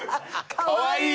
かわいい！